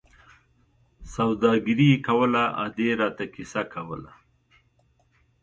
سوداګري یې کوله، ادې را ته کیسه کوله.